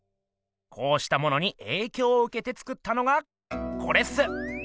こうしたものにえいきょうをうけて作ったのがコレっす。